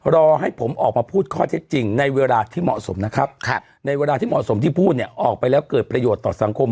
รอให้ผมออกมาพูดข้อเท็จจริงในเวลาที่เหมาะสมนะครับในเวลาที่เหมาะสมที่พูดเนี่ยออกไปแล้วเกิดประโยชน์ต่อสังคม